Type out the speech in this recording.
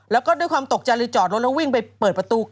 แล้วก็ด้วยความตกใจเลยจอดรถแล้ววิ่งไปเปิดประตู